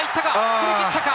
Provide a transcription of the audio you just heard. ふり切ったか？